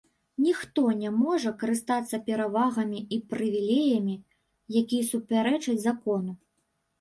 Ніхто не можа карыстацца перавагамі і прывілеямі, якія супярэчаць закону.